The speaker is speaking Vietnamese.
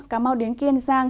cà mau đến kiên giang